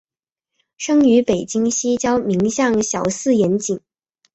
生于北京西郊民巷小四眼井。